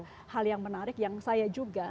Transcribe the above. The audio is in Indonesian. itu juga hal yang menarik yang saya juga